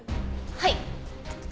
はい。